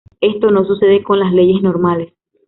Esto no sucede con las leyes normales.